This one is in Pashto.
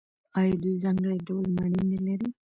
آیا دوی ځانګړي ډول مڼې نلري؟